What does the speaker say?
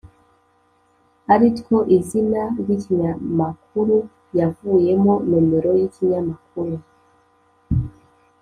ari two: izina ry’ikinyamakuru yavuyemo, nomero y’ikinyamakuru,